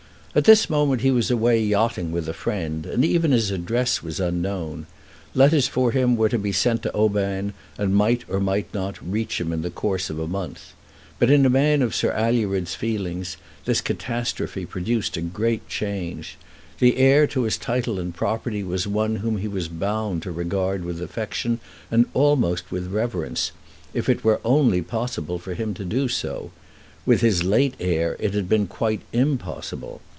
At this moment he was away yachting with a friend, and even his address was unknown. Letters for him were to be sent to Oban, and might, or might not, reach him in the course of a month. But in a man of Sir Alured's feelings, this catastrophe produced a great change. The heir to his title and property was one whom he was bound to regard with affection and almost with reverence, if it were only possible for him to do so. With his late heir it had been impossible.